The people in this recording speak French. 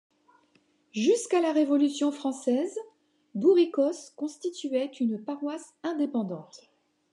Jusqu'à la Révolution française, Bouricos constituait une paroisse indépendante.